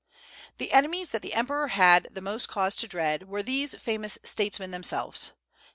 The enemies that the emperor had the most cause to dread were these famous statesmen themselves.